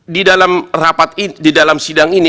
di dalam sidang ini